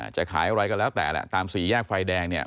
จะขายอะไรก็แล้วแต่ตามศรีแยกไฟแดง